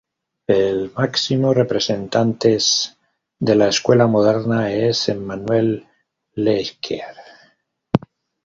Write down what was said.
El máximo representantes de la escuela Moderna es Emmanuel Lasker.